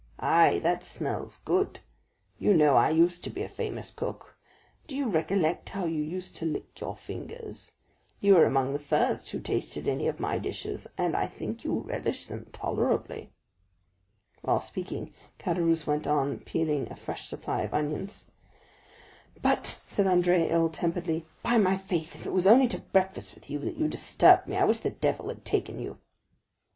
"Ay, that smells good! You know I used to be a good cook; do you recollect how you used to lick your fingers? You were among the first who tasted any of my dishes, and I think you relished them tolerably." While speaking, Caderousse went on peeling a fresh supply of onions. "But," said Andrea, ill temperedly, "by my faith, if it was only to breakfast with you, that you disturbed me, I wish the devil had taken you!"